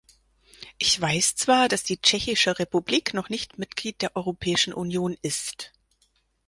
Ich weiß zwar, dass die Tschechische Republik noch nicht Mitglied der Europäischen Union ist.